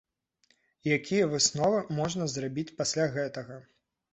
Якія высновы можна зрабіць пасля гэтага?